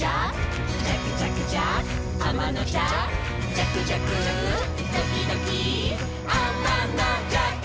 「じゃくじゃくドキドキあまのじゃく」